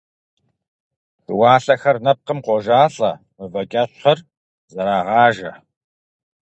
Хыуалъэхэр нэпкъым къожалӀэ, мывэкӀэщхъыр зэрагъажэ.